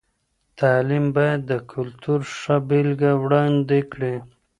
تعلیم باید د کلتور ښه بېلګه وړاندې کړي.